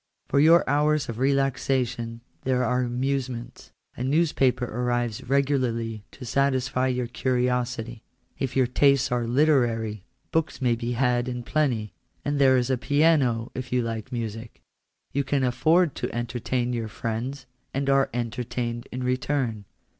For your hours of relaxation there are amusements. A newspaper arrives regularly to satisfy your curiosity ; if your tastes are literary, books may be had in plenty : and there is a piano if you like music. You can afford to entertain your friends, and are entertained in return.